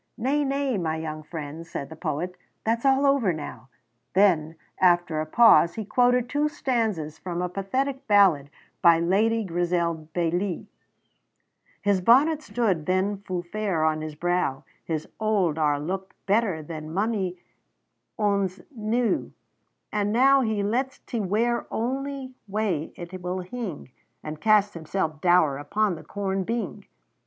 "Nay, nay, my young friend," said the poet, "that's all over now." Then, after a pause, he quoted two stanzas from a pathetic ballad by Lady Grizel Bailie: "His bonnet stood then fu' fair on his brow, His auld are looked better than mony ane's new; But now he lets 't wear ony way it will hing, And casts himself doure upon the corn bing.